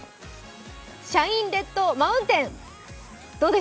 シャインレッドマウンテン。